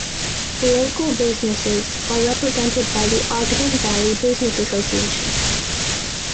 Local businesses are represented by the Ogden Valley Business Association.